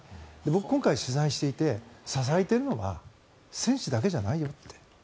僕、今回取材していて支えているのは選手だけじゃないよと。